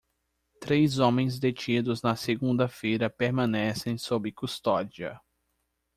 Três homens detidos na segunda-feira permanecem sob custódia.